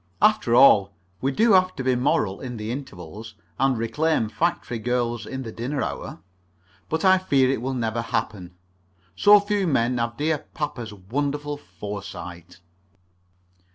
After all, we do have to be moral in the intervals, and reclaim factory girls in the dinner hour. But I fear it will never happen so few men have dear papa's wonderful foresight.